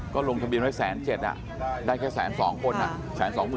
ก็ลงทะเบียนไว้๑๗๐๐บาทได้แค่๑๒๐๐คน